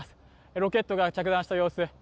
ロケットが着弾した様子です。